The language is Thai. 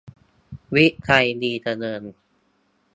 วิชัย ดีเจริญ